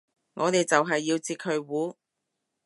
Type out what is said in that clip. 我哋就係要截佢糊